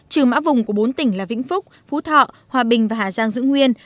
trừ mã vùng của bốn tỉnh là vĩnh phúc phú thọ hòa bình và hà giang giữ nguyên